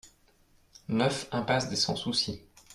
neuf impasse des Sans Soucis